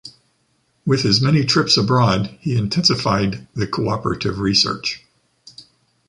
With his many trips abroad, he intensified the cooperative research.